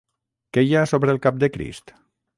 Què hi ha sobre el cap de Crist?